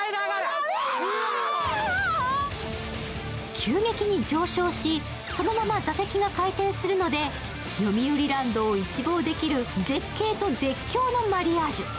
急激に上昇し、そのまま座席が回転するのでよみうりランドを一望できる絶叫と絶景のマリアージュ。